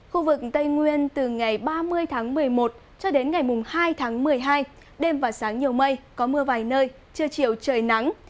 khu vực tây nguyên từ ngày ba mươi tháng một mươi một cho đến ngày hai tháng một mươi hai đêm và sáng nhiều mây có mưa vài nơi trưa chiều trời nắng